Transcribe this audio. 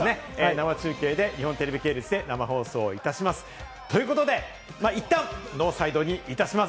生中継で日本テレビ系列で生放送いたします。ということで、いったんノーサイドにいたします。